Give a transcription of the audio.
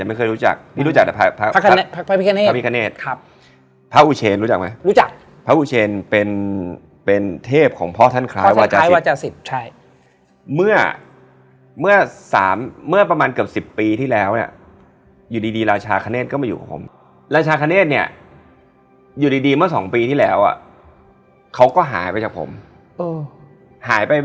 ไม่รู้คือของในมุมเราเราก็คิดว่าน่ากินมากมันกินได้ครับ